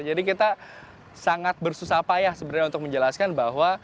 jadi kita sangat bersusah payah sebenarnya untuk menjelaskan bahwa